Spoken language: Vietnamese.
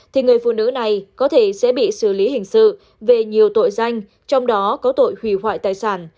thì người phụ nữ này có thể sẽ bị xử lý hình sự về nhiều tội danh trong đó có tội hủy hoại tài sản